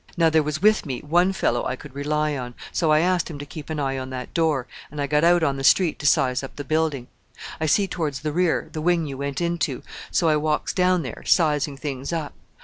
Now there was with me one fellow I could rely on, so I asked him to keep an eye on that door, and I got out on the street to size up the building. I see towards the rear the wing you went into, so I walks down there, sizing things up.